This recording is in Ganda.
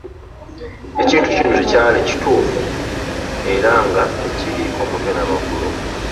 Ekintu kino tekyali kituufu era nga tekiriiko Mutwe na magulu